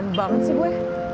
kerjaan banget sih gue